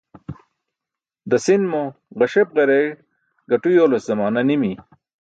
Dasin mo ġasep-ġareey gaṭu yoolas zamaana nimi.